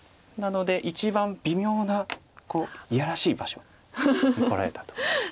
なので一番微妙ないやらしい場所にこられたと。